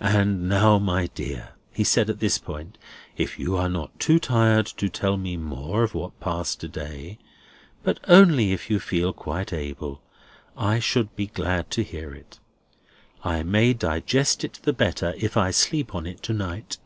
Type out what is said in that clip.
"And now, my dear," he said at this point, "if you are not too tired to tell me more of what passed to day—but only if you feel quite able—I should be glad to hear it. I may digest it the better, if I sleep on it to night."